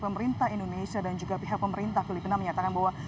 pemerintah indonesia dan juga pihak pemerintah filipina menyatakan bahwa